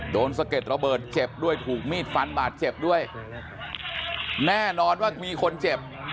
สะเก็ดระเบิดเจ็บด้วยถูกมีดฟันบาดเจ็บด้วยแน่นอนว่ามีคนเจ็บ